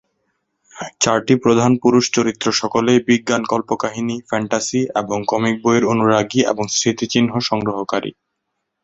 চারটি প্রধান পুরুষ চরিত্র সকলেই বিজ্ঞান কল্পকাহিনী, ফ্যান্টাসি এবং কমিক বইয়ের অনুরাগী এবং স্মৃতিচিহ্ন সংগ্রহকারী।